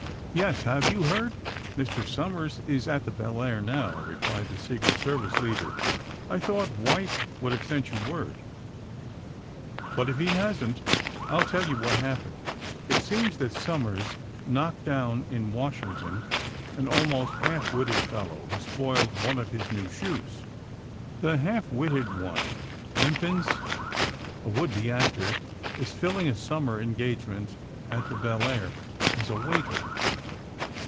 *^Yes. Have you heard " *^Mr. Somers is at the Belleair now," replied the Secret Service leader. ^^I thought White would have sent you word, but if he hasn't I'll tell you what happened. It seems that Somers knocked down, in Washington, an almost half witted fellow who spoiled one of his new shoes. The half witted one, Wimpins, a would be actor is filling a summer engagement at the Belleair — as a waiter.